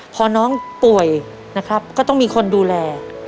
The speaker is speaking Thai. พอน้องป่วยนะครับก็ต้องมีคนดูแล